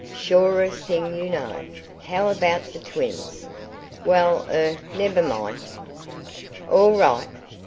"Surest thing you know. How about the twins?" "Well er never mind." "All right.